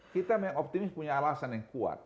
kita memang optimis punya alasan yang kuat